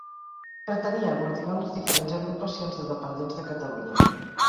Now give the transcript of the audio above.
Pretenia aglutinar les diferents agrupacions de dependents de Catalunya.